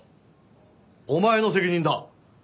お前の責任だ。